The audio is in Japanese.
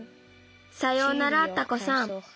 さようならタコさん。